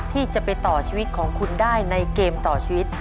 ที่จะไปต่อชีวิตของคุณได้ในเกมต่อชีวิต